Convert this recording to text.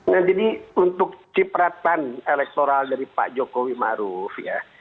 nah jadi untuk cipratan elektoral dari pak jokowi maruf ya